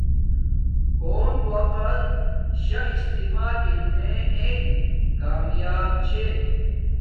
کون وقت شا استعمال ارنے انگ کامیاب چھے